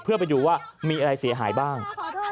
เพื่อไปดูว่ามีอะไรเสียหายบ้าง